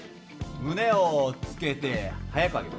胸をつけて速く上げる。